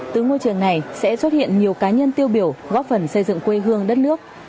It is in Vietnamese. từ ngôi trường này sẽ xuất hiện nhiều cá nhân tiêu biểu góp phần xây dựng quê hương đất nước